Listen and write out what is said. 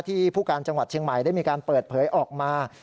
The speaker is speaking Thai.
ผู้การจังหวัดเชียงใหม่ได้มีการเปิดเผยออกมา